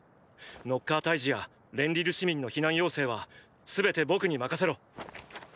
ノッカー退治やレンリル市民の避難要請は全て僕に任せろ。